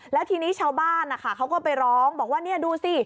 แล้วทีนี้ชาวบ้านนะคะเขาก็ไปร้องบอกว่านี่ดูสิ